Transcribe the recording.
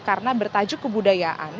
karena bertajuk kebudayaan